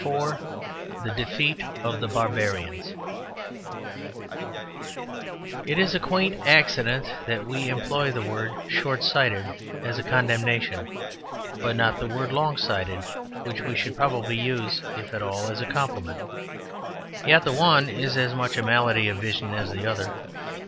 IV THE DEFEAT OF THE BARBARIANS It is a quaint accident that we employ the word "short sighted" as a condemnation; but not the word "long sighted," which we should probably use, if at all, as a compliment. Yet the one is as much a malady of vision as the other.